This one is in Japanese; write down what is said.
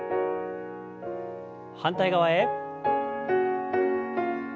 反対側へ。